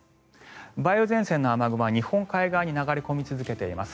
梅雨前線の雨雲は日本海側に流れ込み続けています。